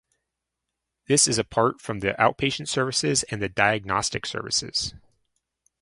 This is apart from the outpatient services and the diagnostic services.